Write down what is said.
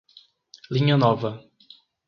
Linha Nova